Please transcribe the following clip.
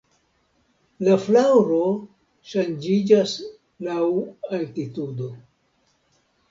La flaŭro ŝanĝiĝas laŭ altitudo.